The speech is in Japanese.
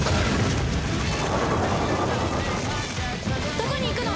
どこに行くの！？